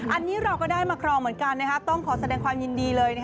อันนี้เราก็ได้มาครองเหมือนกันต้องขอแสดงความยินดีเลย